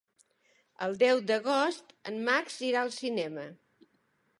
El deu d'agost en Max irà al cinema.